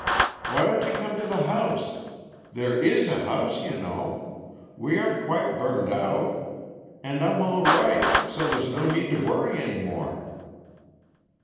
"Why don't you come to the house? There is a house, you know. We aren't quite burned out. And I'm all right, so there's no need to worry any more."